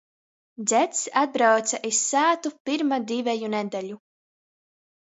Dzeds atbrauce iz sātu pyrma diveju nedeļu.